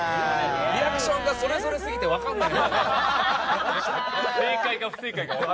リアクションがそれぞれすぎて分かんない。